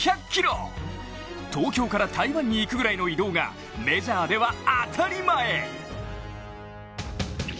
東京から台湾に行くぐらいの移動がメジャーでは当たり前。